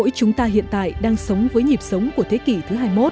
chúng ta hiện tại đang sống với nhịp sống của thế kỷ thứ hai mươi một